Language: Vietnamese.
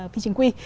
phi trình quy